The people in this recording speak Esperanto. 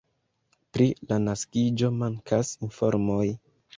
Pri la naskiĝo mankas informoj.